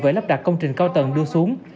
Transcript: với lắp đặt công trình cao tầng đưa xuống